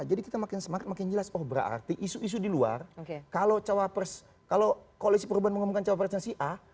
jadi kita semakin semangat makin jelas oh berarti isu isu di luar kalau cawapres kalau koalisi perubahan mengumumkan cawapresnya sia